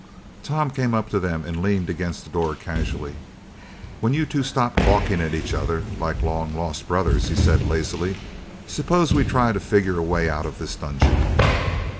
Tom came up to them and leaned against the door casually. "When you two stop gawking at each other like long lost brothers," he said lazily, "suppose we try to figure a way out of this dungeon."